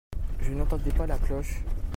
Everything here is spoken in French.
je n'entendais pas la cloche.